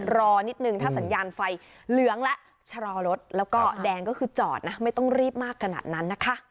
รอนิดนึงถ้าสัญญาณไฟเหลืองและชะลอรถแล้วก็แดงก็คือจอดนะไม่ต้องรีบมากขนาดนั้นนะคะ